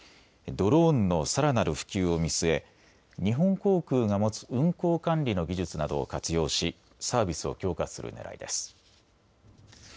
ドローンのさらなる普及を見据え、日本航空が持つ運航管理の技術などを活用し、サービスを強化するねらいです。